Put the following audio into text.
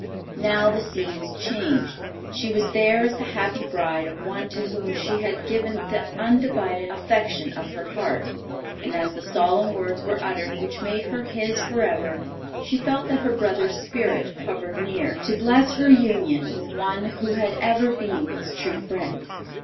Now the scene was changed; she was there as the happy bride of one to whom she had given the undivided affection of her heart, and as the solemn words were uttered which made her his forever, she felt that her brother's spirit hovered near, to bless her union with one who had ever been his true friend.